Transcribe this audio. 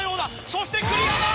そしてクリアだ！